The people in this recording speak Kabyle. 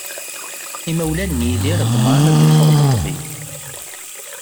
Imawlan n Yidir ḍemεen ad d-iffeɣ d ṭṭbib.